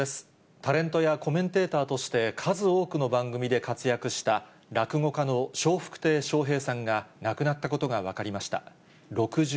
タレントやコメンテーターとして数多くの番組で活躍した落語家の笑福亭笑瓶さんが亡くなったことが分かりました。